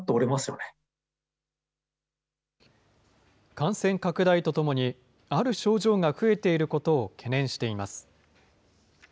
感染拡大とともに、ある症状が増えていることを懸念しています。